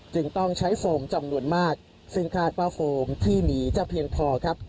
จึงต้องใช้โฟมจำนวนมากซึ่งคาดว่าโฟมที่หนีจะเพียงพอครับ